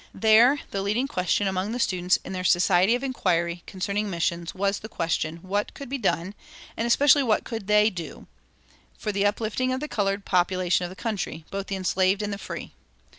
There the leading question among the students in their "Society of Inquiry concerning Missions" was the question, what could be done, and especially what they could do, for the uplifting of the colored population of the country, both the enslaved and the free.